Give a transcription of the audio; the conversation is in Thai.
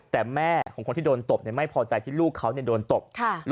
แต่แม่ของคนที่โดนตบไม่พอใจที่ลูกเขาโดนตบ